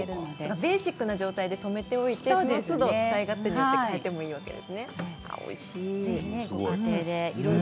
ベーシックな状態でとめておいて、そのつど使い方を変えてもいいわけですね。